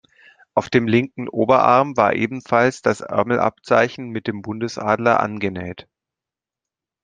Auf dem linken Oberarm war ebenfalls das Ärmelabzeichen mit dem Bundesadler angenäht.